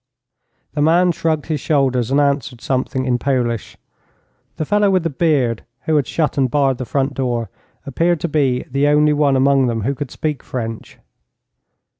The man shrugged his shoulders, and answered something in Polish. The fellow with the beard, who had shut and barred the front door, appeared to be the only one among them who could speak French.